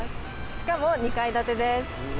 しかも２階建てです。